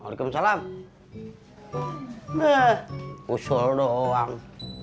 waalaikumsalam deh usul doang